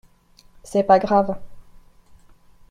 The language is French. C’est pas grave.